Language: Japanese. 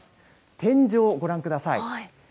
天井、ご覧ください。